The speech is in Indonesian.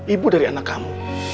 ibu dari anak kamu